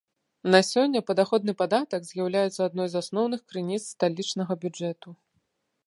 На сёння падаходны падатак з'яўляецца адной з асноўных крыніц сталічнага бюджэту.